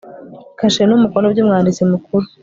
kashe n umukono by umwanditsi mukuru